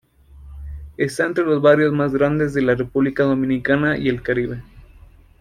Está entre los barrios más grandes de la República Dominicana y el Caribe.